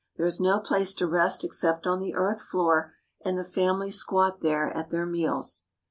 There is no place to rest except on the earth floor, and the family squat there at their meals.